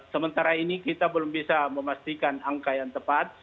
sementara ini kita belum bisa memastikan angka yang tepat